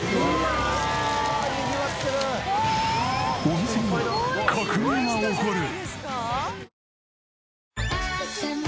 お店に革命が起こる！